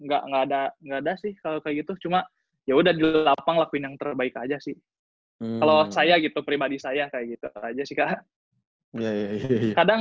gak ada sih kalau kayak gitu cuma yaudah di lapang lakuin yang terbaik aja sih kalau saya gitu pribadi saya kayak gitu aja sih kak